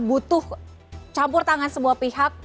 butuh campur tangan semua pihak